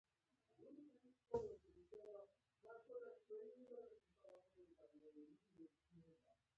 چې په پاخه او اساسي ډول جوړه شوې،